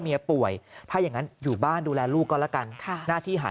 เมียป่วยถ้าอย่างนั้นอยู่บ้านดูแลลูกก็แล้วกันหน้าที่หา